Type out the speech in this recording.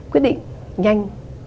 quyết định nhanh